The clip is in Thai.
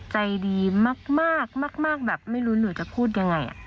ใจดีมากแบบไม่รู้หนูจะพูดยังไง